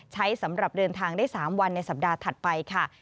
สำหรับเดินทางได้๓วันในสัปดาห์ถัดไปค่ะ